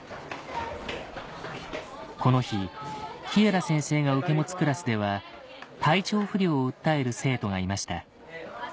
この日稗田先生が受け持つクラスでは体調不良を訴える生徒がいました